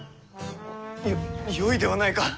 よよいではないか。